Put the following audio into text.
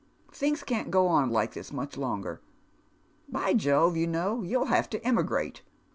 Things can't go on like this much longer. By Jove, you know, you'll have to emigrate.